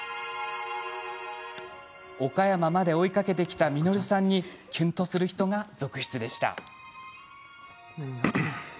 岡山まで追いかけてきた稔さんにキュンとする人が続出でした。